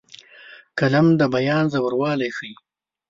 قلم د بیان ژوروالی ښيي